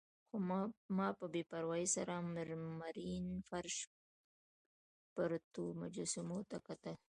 خو ما په بې پروايي سره مرمرین فرش، پرتو مجسمو ته کتل.